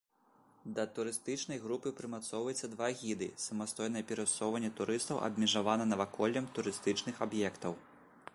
Да турыстычнай групы прымацоўваецца два гіды, самастойнае перасоўванне турыстаў абмежавана наваколлем турыстычных аб'ектаў.